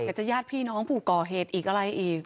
จะญาติพี่น้องผู้ก่อเหตุอีกอะไรอีก